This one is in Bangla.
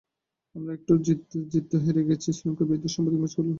আমরা একটুর জন্য জিততে জিততেও হেরে গেছি শ্রীলঙ্কার বিরুদ্ধে সাম্প্রতিক ম্যাচগুলো।